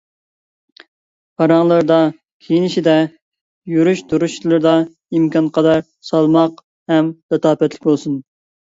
پاراڭلىرىدا، كىيىنىشىدە، يۈرۈش-تۇرۇشلىرىدا ئىمكانقەدەر سالماق ھەم لاتاپەتلىك بولسۇن.